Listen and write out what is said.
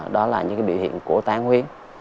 đó là những cái biểu hiện của tán huyết